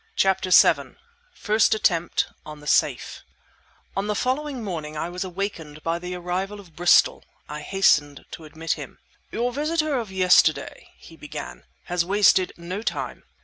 CHAPTER VII FIRST ATTEMPT ON THE SAFE On the following morning I was awakened by the arrival of Bristol. I hastened to admit him. "Your visitor of yesterday," he began, "has wasted no time!"